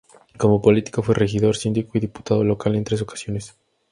Como político fue regidor, síndico y diputado local en tres ocasiones.